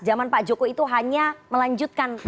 zaman pak joko itu hanya melanjutkan